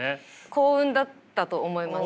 幸運だったと思います。